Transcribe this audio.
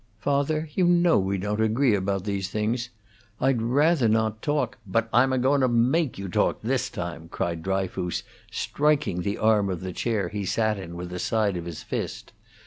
"Father, you know we don't agree about these things. I'd rather not talk " "But I'm goin' to make you talk this time!" cried Dryfoos, striking the arm of the chair he sat in with the side of his fist.